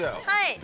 はい！